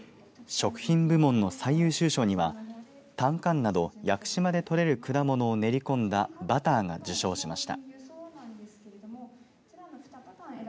食品部門の最優秀賞にはタンカンなど屋久島で採れる果物を練り込んだバターが受賞しました。